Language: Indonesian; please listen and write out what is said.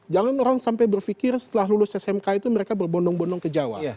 jangan orang sampai berpikir setelah lulus smk itu mereka berbondong bondong ke jawa